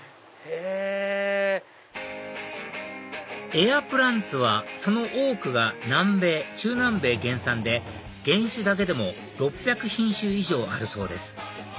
エアプランツはその多くが南米中南米原産で原種だけでも６００品種以上あるそうです